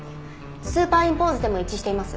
スーパーインポーズでも一致しています。